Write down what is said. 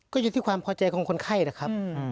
ก็อยู่ที่ความพอใจของคนไข้นะครับ